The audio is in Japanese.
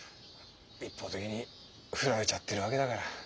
一方的にフラれちゃってるわけだから。